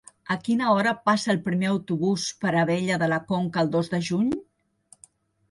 A quina hora passa el primer autobús per Abella de la Conca el dos de juny?